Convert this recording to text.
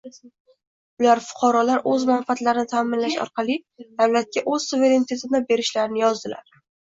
Ular fuqarolar o'z manfaatlarini ta'minlash orqali davlatga o'z suverenitetini berishlarini yozdilar